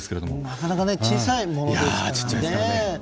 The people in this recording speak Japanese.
なかなか小さいものですからね。